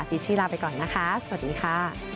ชี่ลาไปก่อนนะคะสวัสดีค่ะ